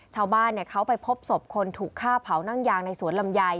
ชาวบ้านเขาไปพบศพคนถูกฆ่าเผานั่งยางในสวนลำไย